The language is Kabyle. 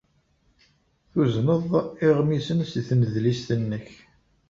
Tuzneḍ iɣmisen seg tnedlist-nnek.